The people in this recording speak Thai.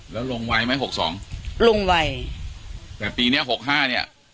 แล้วลงไวไหมหกสองลงไวแต่ปีเนี้ยหกห้าเนี้ย